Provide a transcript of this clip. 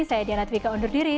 saya diana twika undur diri